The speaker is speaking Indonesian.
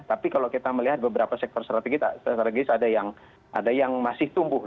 tapi kalau kita melihat beberapa sektor strategis ada yang masih tumbuh